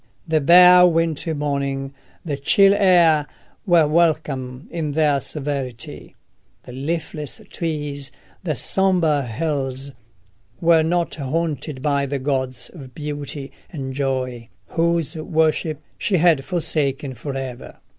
The bare wintry morning, the chill air, were welcome in their severity: the leafless trees, the sombre hills, were not haunted by the gods of beauty and joy, whose worship she had forsaken for ever.